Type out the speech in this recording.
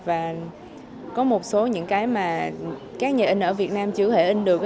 và có một số những cái mà các nhà in ở việt nam chưa thể in được